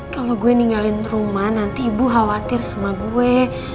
kalau gue ninggalin rumah nanti ibu khawatir sama gue